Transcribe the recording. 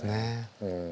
うん。